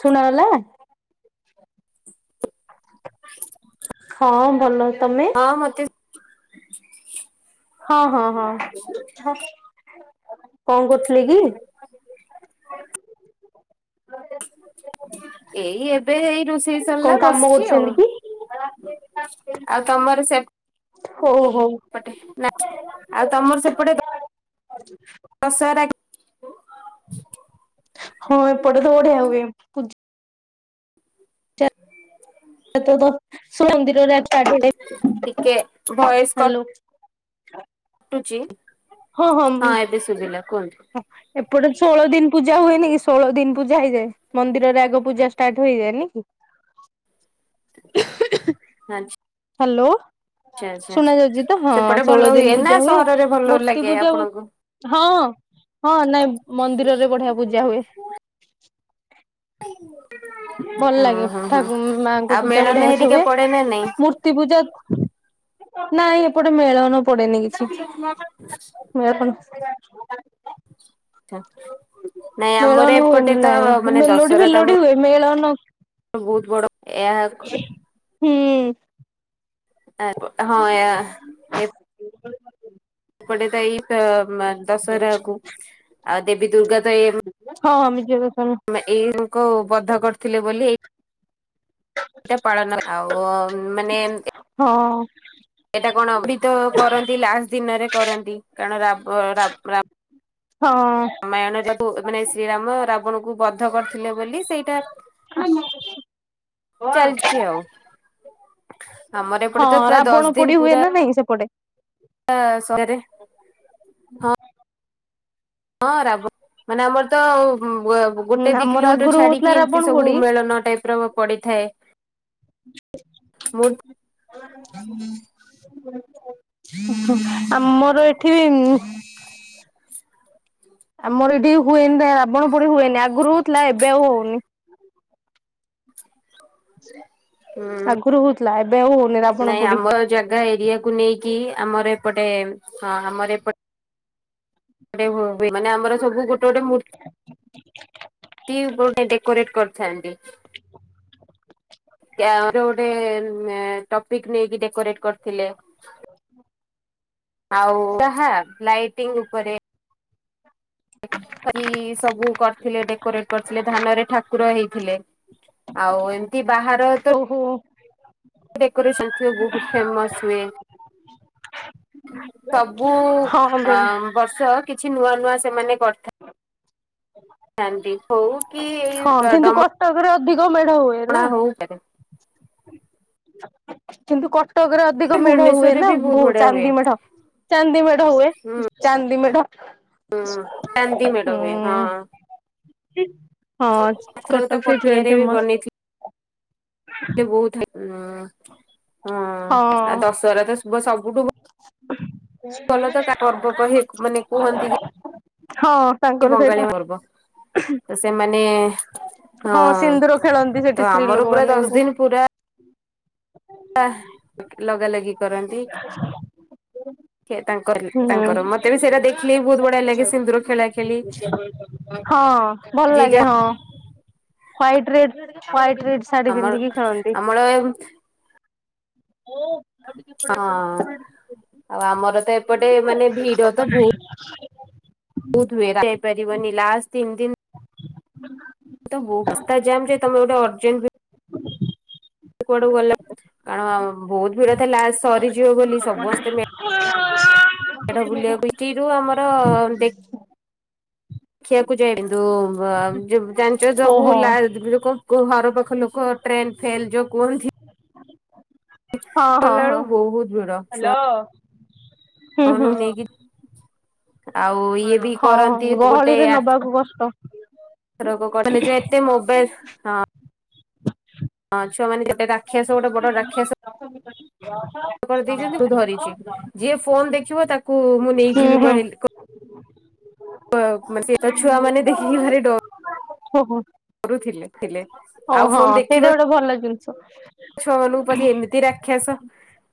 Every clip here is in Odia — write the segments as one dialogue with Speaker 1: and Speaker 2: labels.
Speaker 1: ଶୁଣାଗଲା? ହଁ ଭଲ ତମେ
Speaker 2: ହଁ ମୋତେ [inaudible]
Speaker 1: ହଁ, ହଁ, ହଁ, ହଁ। କହ। କଣ କରୁଥିଲେ କି? [inaudible]
Speaker 2: ଏଇ ଏବେ ଏଇ ରୋଷେଇ
Speaker 1: କଣ
Speaker 2: ସରିଲା
Speaker 1: କାମ
Speaker 2: ବସିଛି
Speaker 1: କରୁଛନ୍ତି
Speaker 2: ଆଉ।
Speaker 1: କି?
Speaker 2: ଆଉ ତମର ସେ
Speaker 1: ଥୁ
Speaker 2: ପଟେ ନା ଆଉ ତୋମର ସେପଟେ ଦ-ଦଶହରା ହଁ [inaudible]
Speaker 1: ହଁ ଏପଟେ ତ ବଢିଆ ହୁଏ ପୂଜ
Speaker 2: ହୁଁ [inaudible]
Speaker 1: ସେ ତ ଦ-ସେ ମନ୍ଦିରରେ ଆଜ
Speaker 2: ଟିକେ ଭଏସ୍ କ
Speaker 1: ହ୍ୟାଲୋ
Speaker 2: ଟୁଚି, ହଁ ଏବେ ଶୁବିଲା କୁହନ୍ତୁ।
Speaker 1: ହଁ ଏପଟେ ଷୋହଳ ଦିନ ପୂଜା ହୁଏନି କି ଷୋହଳ ଦିନ ପୂଜା ହେଇଯାଏ। ମନ୍ଦିରରେ ଆଗ ପୂଜା ଷ୍ଟାର୍ଟ ହୋଇଯାଏ ନି କି। [inaudible]
Speaker 2: ହଁ
Speaker 1: ହାଲୋ। ଶୁଣା ଯାଉଚି ତ ହଁ
Speaker 2: ସେପଟେ ଭଲ
Speaker 1: ଷୋଳ
Speaker 2: ହୁଏ
Speaker 1: ଦିନ
Speaker 2: ନା
Speaker 1: ପୂଜା ହୁଏ
Speaker 2: ସହରରେ ଭଲ
Speaker 1: ମୂର୍ତ୍ତି
Speaker 2: ଲାଗେ
Speaker 1: ପୂଜା ହୁ
Speaker 2: ଆପଣଙ୍କୁ?
Speaker 1: ହଁ। ହଁ ନାଇଁ ମନ୍ଦିରରେ ବଢିଆ ପୂଜା ହୁଏ। ଭଲ ଲାଗେ
Speaker 2: ହଁ ହଁ ହଁ
Speaker 1: ଠାକୁ ମ୍ ମାଙ୍କ
Speaker 2: ଆଉ
Speaker 1: ପୂଜା
Speaker 2: ମେଳନ
Speaker 1: ବଢିଆ ସେ
Speaker 2: ହେରିକା
Speaker 1: ହୁଏ
Speaker 2: ପଡେ ନା ନାଇଁ?
Speaker 1: ମୂର୍ତ୍ତି ପୂଜା ନାଇଁ ଏପଟେ ମେଳନ ପଡେନି କିଛିଛି ନା କଣ? [unintelligible]
Speaker 2: ଥୋ
Speaker 1: ମେଳନ ହୁଏନି ନାଇଁ।
Speaker 2: ମାନେ
Speaker 1: ମେଲୋଡି
Speaker 2: ଦଶହରା ତ ଆମର
Speaker 1: ଫେଲୋଡି ହୁଏ ମେଳନ ହ
Speaker 2: ବହୁତ ବଡ ଏହାକ୍
Speaker 1: ହୁଁ।
Speaker 2: ଆ ହଁ ୟା
Speaker 1: [unintelligible]
Speaker 2: ପଡ଼େ ତାଇଟା ମା ଦଶହରାକୁୁ ଆଉ ଦେବୀ ଦୁର୍ଗା ତ ଏମ୍
Speaker 1: ହଁ ମିଜେକ
Speaker 2: ଏଇ କୁଁବଧ୍ୟ କରିଥିଲେ ବୋଲି ଏ ଏଟା ପାଳନ ଆଉଓଁ।
Speaker 1: ହଁଅ
Speaker 2: ଏଇଟା କଣ ହିତ କରନ୍ତି ଲାଷ୍ଟ ଦିନରେ କରନ୍ତି କାରଣ ରାବ ବଅ
Speaker 1: ହଁ।
Speaker 2: ଓ ମାନେ ଶ୍ରୀରାମ ରାବଣକୁ ବଦ୍ଧ କରିଥିଲେ ବୋଲି ସେଇଟା ଚାଲିଚି ଆଉ। ଆମର ଏପଟେ
Speaker 1: ହଁ
Speaker 2: ତ ପୁରା
Speaker 1: ରାବଣ ପୋଡି ହୁଏ ନା ନାଇଁ ସେପଟେ?
Speaker 2: ଆସ୍। [unintelligible] ହଁ। ହଁ ରାବ ମାନେ ଆମର ତ ଆଉ
Speaker 1: ହୁଁ
Speaker 2: ଗୋଟେ ୱା-ଦି
Speaker 1: ଆମର
Speaker 2: କିଲୋମିଟର
Speaker 1: ଆଗରୁ ହଉଥିଲା
Speaker 2: ଛାଡିକି
Speaker 1: ରାବଣ
Speaker 2: ଏମିତି ସବୁ
Speaker 1: ପୋଡି
Speaker 2: ମେଳନ ଟାଇପ ର ପଡ଼ିଥାଏ। ମୁଁଁ।
Speaker 1: ଆମର ଏଠି ଇଁନ ଆମର ଏଠି ହୁଏନି ନାଇଁ ରାବଣ ପୋଡି ହୁଏନି ଆଗରୁ ହୋଉଥିଲା ଏବେ ଆଉ ହଉନି ଆଗୁରୁ ହୋଉଥି ପ୍ଲାନ
Speaker 2: ନାଇଁ ଆମର ଜାଗା ଏରିଆକୁ ନେଇକି ଆମର ଏପଟେ ହଁ ଆମର ଏପ ଆରେ ହ [unintelligible] ମାନେ ଆମର ସବୁ ଗୋଟେ ଗୋଟେ ମୂ ର୍ତ୍ତି ମୂ ଡେକୋରେଟ କରିଥାନ୍ତି ଗାଁ ରେ ଗୋଟେ ଏ ଟପିକ ନେଇକି ଡେକୋରେଟ କରିଥିଲେ ଆଉ ଯହା ଲାଇଟିଙ୍ଗ ଉପରେ ସବୁ କର [unintelligible] ଥିଲେ ଡେକୋରେଟ୍ କରିଥିଲେ ଧାନରେ ଠାକୁର ହେଇଥିଲେ ଆଉ ଏମତି ବାହାର ତ
Speaker 1: ଓହୋ
Speaker 2: ଡେକୋରେସନ୍ ସେ ବୋହୁତ ଫେମସ୍ ହୁଏ ତବ୍ ମୁ
Speaker 1: ହଁ
Speaker 2: ଆଁ ବର୍ଷ କିଛି ନୂଆ ନୂଆ ସେମାନେ କରିଥା ଥାନ୍ତି ହଉ କି
Speaker 1: ହଁ
Speaker 2: ଏଇ
Speaker 1: କିନ୍ତୁ
Speaker 2: ଡମଣା
Speaker 1: କଟକରେ ଦୋ ମେଢ ହୁଏନା
Speaker 2: ହଉ
Speaker 1: କିନ୍ତୁ କଟ୍ କଟକରେ ଅଧିକ ମେଢ ହୁଏ
Speaker 2: ଭୁବନେଶ୍ଵରରେ
Speaker 1: ନା
Speaker 2: ବି ବହୁତ
Speaker 1: ବୋହୁତ
Speaker 2: ବଢିଆ ହୁଏ।
Speaker 1: ଚାନ୍ଦି ମେଢ ଚାନ୍ଦି ମେଢ ହୁଏ
Speaker 2: ହୁଁ
Speaker 1: ଚାନ୍ଦି ମେଢ
Speaker 2: ହୁଁ ଚାନ୍ଦି ମେଢ଼ ହୁଏ ହଁ
Speaker 1: ହୁଁ [unintelligible] ହଁଚ୍
Speaker 2: ଏଥରକ ତ
Speaker 1: କଟକ ସେଇଥିପାଇଁ ଫେମସ୍
Speaker 2: ସେ ବହୁତ ହାଇ ଅ ହଁ ଆ ଦଶହରା ତ ପୁଅ ସବୁଠୁ ଭଲ ତ କା ପର୍ବ କହି ମାନେ କୁହନ୍ତି
Speaker 1: ହଁ
Speaker 2: କି
Speaker 1: ତାଙ୍କର ସେଇଟା
Speaker 2: ବଙ୍ଗାଳୀ ମା ପର୍ବ ତ ସେମାନେ ହଁ
Speaker 1: ସିନ୍ଦୁର ଖେଳନ୍ତି ସେଠି
Speaker 2: ତ
Speaker 1: ସ୍ତ୍ରୀ
Speaker 2: ଆମର ପୁରା
Speaker 1: ଲୋକମାନେ
Speaker 2: ଦଶ
Speaker 1: ସବୁ।
Speaker 2: ଦିନ ପୁରା ଆ ଲଗା ଲାଗି କରନ୍ତି କିଏ ତାଙ୍କ ତାଙ୍କର
Speaker 1: ହୁଁ
Speaker 2: ମତେ ବି ସେଇଟା ଦେଖିଲେ ବି
Speaker 1: ହଁ
Speaker 2: ବହୁତ ବଢିଆ ଲାଗେ
Speaker 1: ହଁ
Speaker 2: ସିନ୍ଦୁର ଖେଳା ଖେଳି
Speaker 1: ଭଲ ଲାଗେ
Speaker 2: ଯିଏ
Speaker 1: ହଁ।
Speaker 2: ଯା
Speaker 1: ହ୍ୱାଇଟ ରେଡ ରେ
Speaker 2: ଆମର ଆମର
Speaker 1: ଓ
Speaker 2: ହଁ ଆଉ ଆମର ତ ଏପଟେ ମାନେ ଭିଡ ତ ବହୁତ ହୁଏ, ଯାଇପାରିବିନି ଲାସ୍ ତିନଦିନ୍
Speaker 1: ହୁଁ
Speaker 2: [unintelligible] ରସ୍ତା ଜାମ୍ ତମେ ଯେବେ ଅର୍ଜେଟ ବି କୁଆଡକୁ ଗଲା ଆ ବହୁତ ଭିଡ ଥିଲା ସରିଯିବ ବୋଲି ସମସ୍ତେ [unintelligible] ବୁଲିବାକୁ ଆମର ଦେଖିବାକୁ ଯାଆ କିନ୍ତୁ ବା-ଜାଣିଛ ସବୁ
Speaker 1: ଓହୋ
Speaker 2: ଲାସ୍ ଘର ପାଖ ଲୋକ ଟ୍ରେନ ଫେଲପ ଯୋଉ କୁହନ୍ତି।
Speaker 1: ହଁ ହଁ
Speaker 2: କଲା
Speaker 1: ହଁ
Speaker 2: ବେଳକୁ ବହୁତ ଭିଡ଼ ଛୁଆ
Speaker 1: ହୁଁ ହୁଁ
Speaker 2: ଛୁଆମାନଙ୍କୁ ନେଇକି ଆଉ ଇଏ ବି
Speaker 1: ହଁ
Speaker 2: କରନ୍ତି
Speaker 1: ଗହଳିରେ ନବାକୁ କଷ୍ଟ
Speaker 2: ଜ ଏତେ ମୋବାଇଲ ହଁ। ହଁ ଛୁଆ ମାନେ ଗୋଟେ ରାକ୍ଷସ ଗୋଟେ ବଡ ରାକ୍ଷସ କରିଦେଇଛନ୍ତି ମୁଁ ଧରିଛି ଯିଏ ଫୋନ ଦେଖିବ ତାକୁ ମୁଁ
Speaker 1: ହୁଁ
Speaker 2: ନେଇଯିବି
Speaker 1: ହୁଁ
Speaker 2: କହିଲି ଟା ଛୁଆ ମାନେ ଦେଖିକି ଭାରି ଡ
Speaker 1: ଓହୋ।
Speaker 2: ଡରୁଥିଲେ, ଥିଲେ
Speaker 1: ଓ
Speaker 2: ଆଉ
Speaker 1: ହଁ
Speaker 2: ଫୋନ୍
Speaker 1: ସେଇଟା
Speaker 2: ଦେଖିବେ
Speaker 1: ଗୋଟେ ଭଲ ଜିନିଷ ହୁଁ।
Speaker 2: ଛୁଆ ମାନଙ୍କ ଏମିତି ରାକ୍ଷସ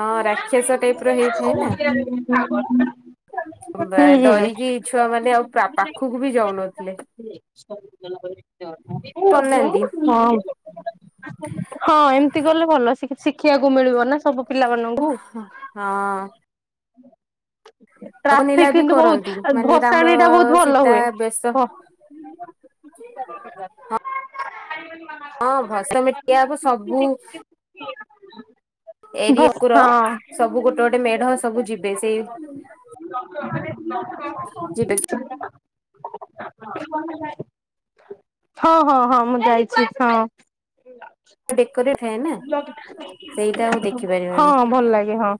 Speaker 2: ହଁ ରାକ୍ଷସ ଟାଇପ୍ ର ହେଇଥାଏ ନା
Speaker 1: ହ
Speaker 2: [unintelligible] ଡରିକି ଛୁଆ ମାନେ ଆଉ ପାଖକୁ ବି ଯାଉନଥିଲେ।
Speaker 1: [inaudible] ହଁ-
Speaker 2: ପନାହାନ୍ତି
Speaker 1: ହଁ ଏମିତି ଗଲେ ଭଲ ଶିଖି ଶିଖିଆକୁ ମିଳିବ ନା ସବୁ ପିଲା ମାନଙ୍କୁ।
Speaker 2: ହଁ ଅନିଲା
Speaker 1: ଟ୍ରାଫିକ
Speaker 2: ବି
Speaker 1: କିନ୍ତୁ
Speaker 2: କରନ୍ତି
Speaker 1: ବହୁତ
Speaker 2: ମାନେ ରାମ
Speaker 1: ଭସାଣି ଟା ବହୁତ ଭଲ
Speaker 2: ସୀତା
Speaker 1: ହୁଏ। [inaudible]
Speaker 2: ବେଶ ହଁ ଭସମେ [unintelligible] ହବ ସବୁ ବୁ-
Speaker 1: ହ
Speaker 2: ଏରିଆକୁର ସବୁ ଗୋଟେ ଗୋଟେ ମେଢ ସବୁ ଯିବେ ସେଇ
Speaker 1: [unintelligible]
Speaker 2: ଯିବେ
Speaker 1: ହଁ ହଁ ହଁ ମୁଁ ଯାଇଛି ହଁ।
Speaker 2: ଡେକୋରେଟ ଥାଏ ନା ସେଇଟା ଆଉ
Speaker 1: ହଁ
Speaker 2: ଦେଖିପାରିବାନି
Speaker 1: ଭଲ ଲାଗେ ହଁ।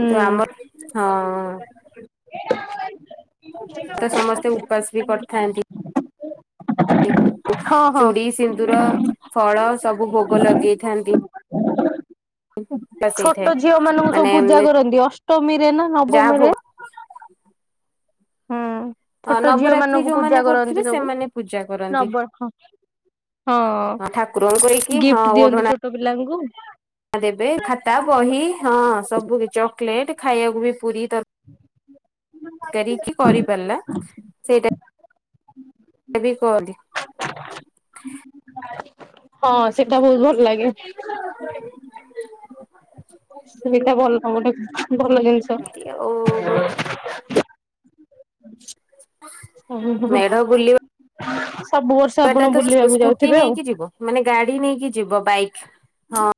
Speaker 2: କିନ୍ତୁ ଆମର ହଁ ତ ସମସ୍ତେ ଉପାସ ବି କରିଥାନ୍ତି।
Speaker 1: ହଁ ହଁ।
Speaker 2: ଚୁଡ଼ି ସିନ୍ଦୁର ଫଳ ସବୁ ଭୋଗ ଲଗେଇଥାନ୍ତି। ବସେଇଥାଏ
Speaker 1: ଛୋଟ ଝିଅ ମାନଙ୍କୁ ସବୁ
Speaker 2: ମାନେ
Speaker 1: ପୂଜା କରନ୍ତି ଅଷ୍ ତମେ ଏଇନା
Speaker 2: ଯାହା ଭୋଗ
Speaker 1: ନବମରେ। ହୁଁ। ଛୋଟ ଝିଅ
Speaker 2: ନବରାତ୍ରି
Speaker 1: ମାନଙ୍କୁ ପୂଜା
Speaker 2: ଯୋଉମାନେ କରୁଥିବେ
Speaker 1: କରନ୍ତି ସବୁ
Speaker 2: ସେମାନେ ପୂଜା କରନ୍ତି
Speaker 1: ନବ ହଁ ହଁ
Speaker 2: ହଁ ଠାକୁରଙ୍କୁ ହେଇକି ହଁ
Speaker 1: ଗିଫ୍ଟ ଦିଅନ୍ତି
Speaker 2: ଓଢଣା
Speaker 1: ଛୋଟ ପିଲାଙ୍କୁ।
Speaker 2: ଦେବେ ଖାତା ବହି ହଁ ସବୁ ଚକୋଲେଟ ଖାଇବାକୁ ବି ପୁରୀ ତର ତରକାରୀ କିଏ କରିପାରିଲା ସେଇଟା [unintelligible] କହନ୍ତି।
Speaker 1: ହଁ ସେଟା ବହୁତ ଭଲ ଲାଗେ।
Speaker 2: [unintelligible]
Speaker 1: ସେଇଟା ଭଲ ଗୋଟେ ଭଲ ଜିନିଷ
Speaker 2: ଆଉ
Speaker 1: ଓ ହ।
Speaker 2: ଛୁଆଟା ତ ସ୍କୁଟି ନେଇକି ଯିବ ମାନେ ଗାଡି ନେଇକି ଯିବ। ଯିବ ବାଇକ୍ ହଁ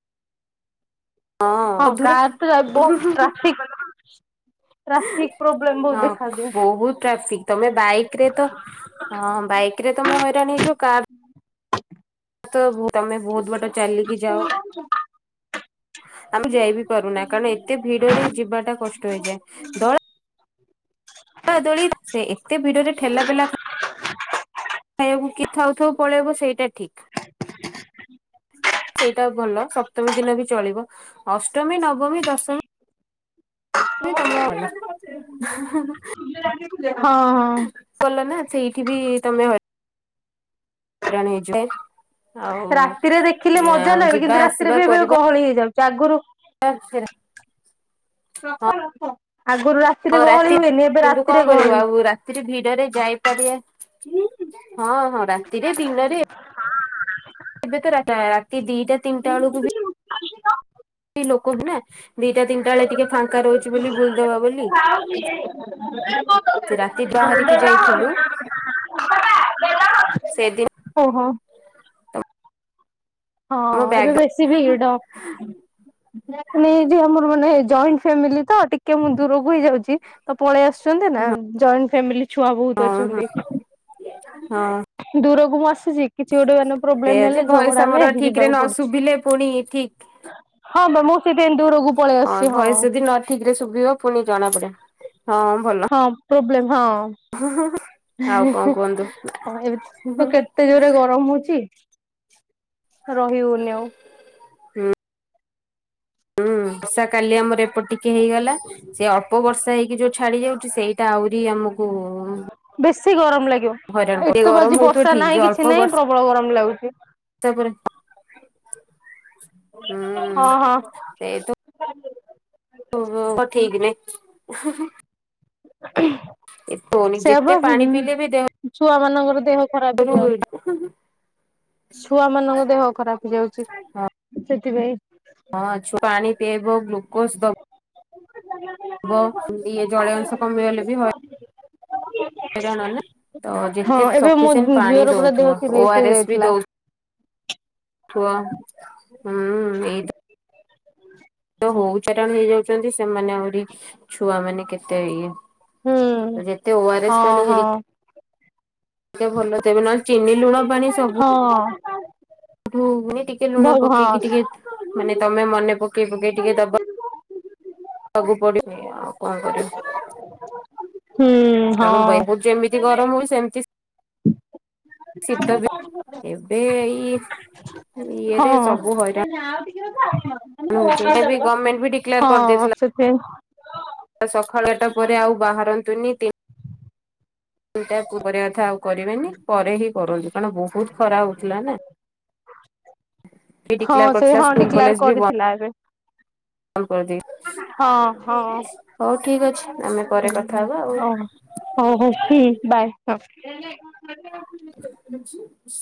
Speaker 1: ହଁ କାର ତ ବହୁତ
Speaker 2: ଅଧୁରା
Speaker 1: ଟ୍ରାଫିକ [inaudible] ଟ୍ରାଫିକ ପ୍ରୋବ୍ଲେମ ବହୁତ
Speaker 2: ହଁ
Speaker 1: ଦେଖାଦିଏ।
Speaker 2: ବହୁତ ଟ୍ରାଫିକ ତମେ ବାଇକ ରେ ତ ହଁ ବାଇକ ରେ ତମେ ହଇରାଣ ହେଇଯିବ କାର୍ ବହୁ ତମେ ବହୁତ ବାଟ ଚାଲିକି ଯାଅ।
Speaker 1: [unintelligible]
Speaker 2: ଆମେ ଯାଇବି ପାରୁନା କାରଣ ଏତେ ଭିଡରେ ଯିବାଟା କଷ୍ଟ ହେଇଯାଏ ଦଳ ସେ ଏତେ ଭିଡରେ ଠେଲା ପେଲା ଖାଇବାକୁ କି ଥାଉ ଥାଉ ପଳେଇବ ସେଇଟା ଠିକ ସେଇଟା ଭଲ ସପ୍ତମୀ ଦିନ ବି ଚଳିବ ଅଷ୍ଟମୀ ନବମୀ ଦଶମୀ ତମ ହେଲା
Speaker 1: [inaudible] ହଁ ହଁ।
Speaker 2: ସେଇଠି ବି ତମେ ହଇ ହଇରାଣ ହେଇ ଯିବେ
Speaker 1: ରାତିରେ ଦେଖିଲେ
Speaker 2: ଆଉ ଯିବା ଆସିବା କରିବା
Speaker 1: ଜାଗରୁ
Speaker 2: ହ ସେ
Speaker 1: ରଖ ରଖ।
Speaker 2: ହଁ ରାତି କିନ୍ତୁ କଣ କରିବୁ
Speaker 1: ଗହଳି।
Speaker 2: ଆଉ ରାତିରେ ଭିଡରେ ଯାଇପାରିବା ହଁ ହଁ ରାତିରେ ଦିନରେ
Speaker 1: ହ।
Speaker 2: ଏବେ ତ ରାତି ରାତି ଦିଟା ତିନିଟା ବେଳକୁ ବି ଲୋକ ହୁଏ ନା ଦିଟା ତିନିଟା ବେଳେ ଟିକେ ଫାଙ୍କା ରହୁଛି ବୋଲି ବୁଲି ଦବା ବୋଲି ସେ ରାତି ବାହାରିକି ଯାଇଥିଲୁ ସେଦିନ
Speaker 1: ଓହୋ। ହଁ
Speaker 2: ଆମ
Speaker 1: ଏବେ
Speaker 2: ବ୍ୟାଗ
Speaker 1: ବେଶୀ
Speaker 2: ହଁ
Speaker 1: ଭିଡ ଯ ନେଇ ଆମର ମାନେ ଜଏଣ୍ଟ ଫ୍ୟାମିଲି ତ ଟିକେ ମୁଁ ଦୂରକୁ ହେଇଯାଉଛି ତ ପଳେଇ ଆସୁଛନ୍ତି ନା ଜଏଣ୍ଟ ଫ୍ୟାମିଲି ଛୁଆ ବହୁତ
Speaker 2: ହଁ।
Speaker 1: ଅଛନ୍ତି
Speaker 2: ହଁ
Speaker 1: ଦୂର କୁ ବସ୍ କିଛି ଗୋଟେ ମାନେ
Speaker 2: ସେଇଆ
Speaker 1: ପ୍ରୋବ୍ଲେମ
Speaker 2: ଯେ
Speaker 1: ହେଲେ
Speaker 2: ଭଏସ
Speaker 1: ଝଗଡା
Speaker 2: ଆମର
Speaker 1: ହେଲେ
Speaker 2: ଠିକ ରେ
Speaker 1: ଯିବାକୁ
Speaker 2: ନ
Speaker 1: ପଡୁଛି।
Speaker 2: ଶୁଭିଲେ ପୁଣି ଠିକ
Speaker 1: ହଁ ମ ମୁ
Speaker 2: ହଁ ଭଏସ ଯଦି ନ ଠିକ ରେ ଶୁଭିବ ପୁଣି ଜଣା ପଡି ହଁ ଭଲ
Speaker 1: ପ୍ରୋବଲେମ୍ ହଁ
Speaker 2: ଆଉ
Speaker 1: ହେଁ
Speaker 2: କଣ କୁହନ୍ତୁ?
Speaker 1: ହେଁ ଅ ଏବେ ତ କେତେ ଜୋରେ ଗରମ ହଉଛି। ରହି ହେଉନି ଆଉ।
Speaker 2: ହୁଁ ହୁଁ। ବର୍ଷା କାଲି ଆମର ଏପଟେ ଟିକେ ହେଇଗଲା। ସେ ଅଳ୍ପ ବର୍ଷା ହେଇକି ଯୋଉ ଛାଡି ଯାଉଛି ସେଇଟା ଆହୁରି ଆମକୁ
Speaker 1: ବେଶି ଗରମ ଲାଗେ।
Speaker 2: ହଇରାଣ କର
Speaker 1: ଏଠି ତ
Speaker 2: ଗରମ
Speaker 1: ଆଜି
Speaker 2: ହଉଥିବ
Speaker 1: ବର୍ଷା
Speaker 2: ଠିକ ଯେ
Speaker 1: ନାହିଁ
Speaker 2: ଅଳ୍ପ
Speaker 1: କିଛି ନାହିଁ
Speaker 2: ବର୍ଷା
Speaker 1: ପ୍ରବଳ ଗରମ ଲାଗୁଛି।
Speaker 2: ପରେ ହୁଁ
Speaker 1: ହଁ ହଁ।
Speaker 2: ସେ ଏତ ଉ ଠିକ ନାହିଁ। ହୁଁ ହୁଁ।
Speaker 1: ସେ ହବ
Speaker 2: ଯେତେ
Speaker 1: ହୁଁ
Speaker 2: ପାଣି ପିଇଲେ ବି ଦେହ
Speaker 1: ହୁଁ ଛୁଆ ମାନଙ୍କର ଦେହ ଖରାପ ହେଲା।
Speaker 2: [unintelligible]
Speaker 1: ଛୁଆ ମାନଙ୍କ ଦେହ ଖରାପ ହେଇଯାଉଛି। ଶିବାଇ
Speaker 2: ପିଏଇବ ଗ୍ଲୁକୋଜ ଦବ। ହବ ଇଏ ଜଳିୟ ଅଂଶ କମିଗଲେ ବି ହଇରାଣ ତ
Speaker 1: ହଁ
Speaker 2: ଯେତେ
Speaker 1: ଏବେ ମୋ
Speaker 2: ସିପିସିଏଣ୍ଟ ପାଣି
Speaker 1: ଝିଅର ପୁରା ଦେହ
Speaker 2: ଦଉଥିବ
Speaker 1: ସିରିଏସ
Speaker 2: ଓଆରଏସ୍ ବି
Speaker 1: ହେଇଯାଇଥିଲା
Speaker 2: ଦଉ ହ ଏଇ
Speaker 1: ହୁଁ
Speaker 2: ତ ହଉ [unintelligible] ହେଇଯାଉଥିବ। ଛନ୍ତି ସେମାନେ ଆହୁରି ଛୁଆ ମାନେ କେତେ ଇଏ
Speaker 1: ହୁଁ
Speaker 2: ଯେତେ ଓ ଆର ଏସ୍
Speaker 1: ହଁ
Speaker 2: ପାଣି ହେ
Speaker 1: ହଁ।
Speaker 2: ଟିକେ ଭଲ ତେବେ ନାଇ ଚିନି ଲୁଣ ପାଣି ସବୁ
Speaker 1: ହଁ।
Speaker 2: ଠୁନି ଟିକେ ଲୁଣ
Speaker 1: ହଁ।
Speaker 2: ପକେଇକି ଟିକେ ମାନେ ତମେ ମନେ ପକେଇ ପକେଇ ଟିକେ ଦବା [unintelligible] ପଡିନି ଆଉ କଣ କରିବ?
Speaker 1: ହୁଁ
Speaker 2: କାରଣ
Speaker 1: ହଁ
Speaker 2: ବହୁତ ଯେମିତି ଗରମ ହୁଏ ସେମିତି ଶୀତ ବି ଏବେ ଏଇ ଇଏରେ ସବୁ ହଇରାଣ ହଉଛନ୍ତି ଏବେ ଗଭର୍ଣ୍ଣମେଣ୍ଟ ବି
Speaker 1: ଆ ହଁ ବସତ
Speaker 2: ସକାଳଟା ପରେ ଆଉ ବାହାରନ୍ତୁନି ତିନ ଦଟା ପରେ କଥା ଆଉ କରିବେନି ପରେ ହିଁ କରନ୍ତୁ କାରଣ ବହୁତ ଖରା ହଉଥିଲା ନା।
Speaker 1: ହଁ
Speaker 2: ଡିକ୍ଲାର
Speaker 1: ସେ
Speaker 2: କରିଥିଲା
Speaker 1: ହଁ
Speaker 2: ସ୍କୁଲ
Speaker 1: ଟିକ୍ଲାର
Speaker 2: କଲେଜ ବି ବନ୍ଦ
Speaker 1: କରିଥିଲା ଏବେ।
Speaker 2: କରିଦେଇ
Speaker 1: ହଁ ହଁ
Speaker 2: ହଉ ଠିକ ଅଛି ଆମେ ପରେ
Speaker 1: ହ
Speaker 2: କଥା ହବା ଆଉ।
Speaker 1: ହଉ ହଉ ଠିକ ବାଏ। ହଁ
Speaker 2: କିଛି